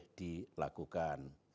apa yang harus dilakukan